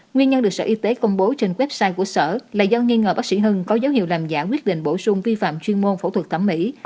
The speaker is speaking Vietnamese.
nguyên nhân được sở y tế công bố trên website của sở là do nghi ngờ bác sĩ hưng có dấu hiệu làm giả quyết định bổ sung vi phạm chuyên môn phẫu thuật thẩm mỹ